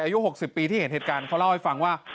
อายุ๖๐ปีที่เห็นเหตุการณ์เขาเล่าให้ฟังว่า